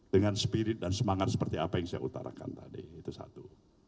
dengan spirit dan semangat seperti apa yang saya utarakan tadi itu satu